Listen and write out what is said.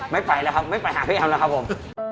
ไม่ไปหาพี่แอมแล้วครับผม